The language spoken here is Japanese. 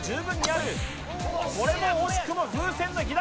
これも惜しくも風船の左。